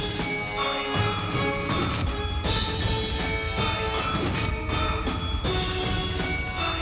น่าจะคอมเขียน